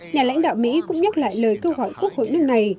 nhà lãnh đạo mỹ cũng nhắc lại lời kêu gọi quốc hội nước này